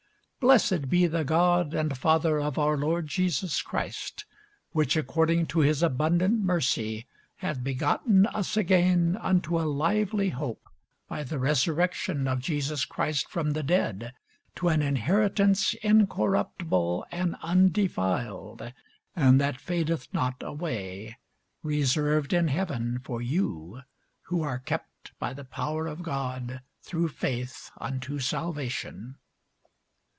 Blessed be the God and Father of our Lord Jesus Christ, which according to his abundant mercy hath begotten us again unto a lively hope by the resurrection of Jesus Christ from the dead, to an inheritance incorruptible, and undefiled, and that fadeth not away, reserved in heaven for you, who are kept by the power of God through faith unto salvation.